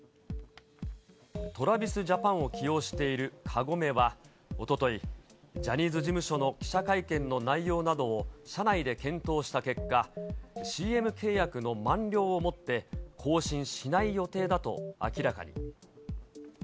ＴｒａｖｉｓＪａｐａｎを起用しているカゴメはおととい、ジャニーズ事務所の記者会見の内容などを社内で検討した結果、ＣＭ契約の満了をもって更新しない予定だと明らかに。